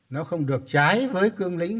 nó không được trái với cương lĩnh